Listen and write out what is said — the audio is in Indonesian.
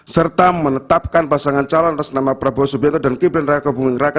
serta menetapkan pasangan calon atas nama prabowo subianto dan gibran raka buming raka